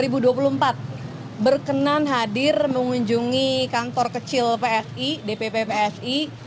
saya berkenan hadir mengunjungi kantor kecil psi dpp psi